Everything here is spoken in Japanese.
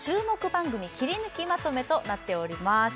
番組キリヌキまとめとなっております